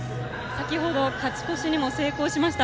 先ほど、勝ち越しにも成功しました。